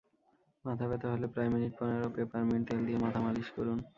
মাথাব্যথা হলে প্রায় মিনিট পনেরো পেপারমিন্ট তেল দিয়ে মাথা মালিশ করুন।